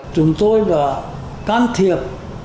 chúng tôi đã can thiệp